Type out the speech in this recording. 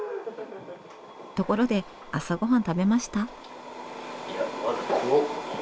ところで朝ごはん食べました？